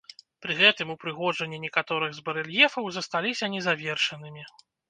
Пры гэтым ўпрыгожанні некаторых з барэльефаў засталіся незавершанымі.